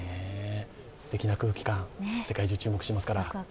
すてきな空気感、世界中が注目していますから。